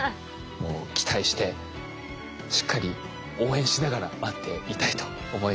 もう期待してしっかり応援しながら待っていたいと思います。